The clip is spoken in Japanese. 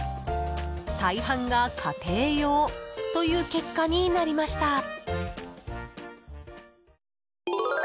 大半が家庭用という結果になりました。